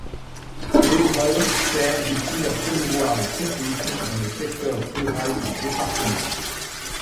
L'épreuve sert dit-il à promouvoir le cyclisme dans le secteur rural du département.